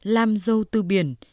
làm dâu tư biển